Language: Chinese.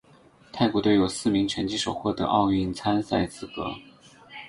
泰国队有四名拳击手获得奥运参赛资格。